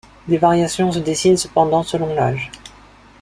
Des variations se dessinent cependant selon l'âge.